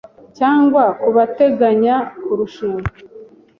cyangwa ku bateganya kurushinga